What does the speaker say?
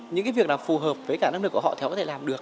những cái việc nào phù hợp với cả năng lực của họ thì họ có thể làm được